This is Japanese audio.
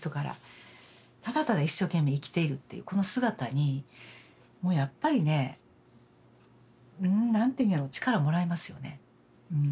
ただただ一生懸命生きているっていうこの姿にもうやっぱりね何て言うんやろう力もらいますよね。